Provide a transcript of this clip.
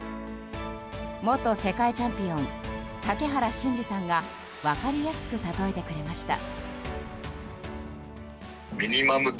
元世界チャンピオン竹原慎二さんが分かりやすく例えてくれました。